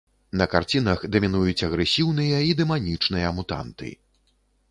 На карцінах дамінуюць агрэсіўныя і дэманічныя мутанты.